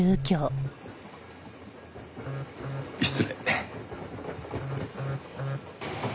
失礼。